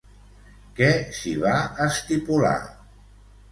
Què s'hi va estipular?